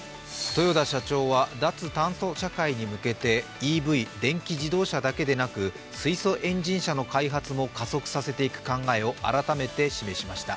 豊田社長は脱炭素社会に向けてＥＶ＝電気自動車だけでなく水素エンジン車の開発も加速させていく考えを改めて示しました。